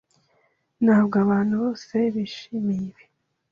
Ntabwo abantu bose bishimiye ibi.